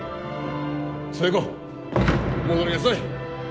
寿恵子戻りなさい！